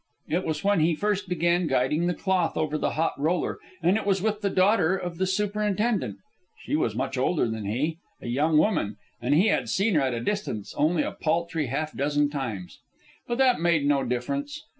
It was when he first began guiding the cloth over the hot roller, and it was with the daughter of the superintendent. She was much older than he, a young woman, and he had seen her at a distance only a paltry half dozen times. But that made no difference.